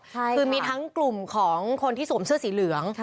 คือมีทั้งกลุ่มของคนที่สวมเสื้อสีเหลือง